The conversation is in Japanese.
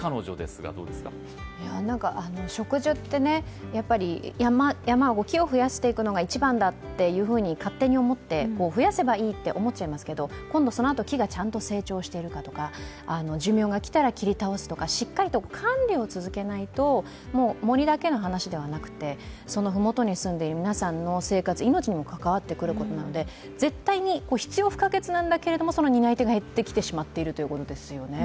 植樹って山は木を増やしていくのが一番だと勝手に思って、増やせばいいって思っちゃいますけれども今度はそのあと、木がちゃんと成長しているかとか寿命が来たら切り倒すとかちゃんと管理をしないと森だけの話ではなくて、その麓に住んでいる皆さんの生活、命にも関わってくることなので絶対に必要不可欠なんだけれどもその担い手が減ってきてしまっているということですよね。